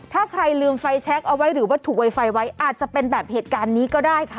ถ้าใครลืมไฟแชคเอาไว้หรือว่าถูกไวไฟไว้อาจจะเป็นแบบเหตุการณ์นี้ก็ได้ค่ะ